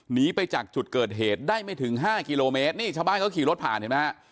หนีไปจากจุดเกิดเหตุได้ไม่ถึงห้ากิโลเมตรนี่ชาวบ้านเขาขี่รถผ่านเห็นไหมฮะ